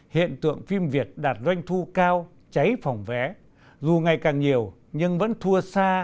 hiện tượng phim việt đạt doanh thu cao cháy phòng vé dù ngày càng nhiều nhưng vẫn thua xa